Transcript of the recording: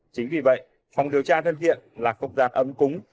chính vì vậy phòng điều tra thân thiện là không gian ấm cúng